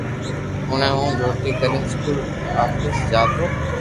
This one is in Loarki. جڻي ھون ڇوٽي ڪرين اسڪول واپس جاتو